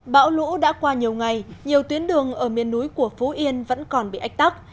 bão lũ đã qua nhiều ngày nhiều tuyến đường ở miền núi của phú yên vẫn còn bị ách tắc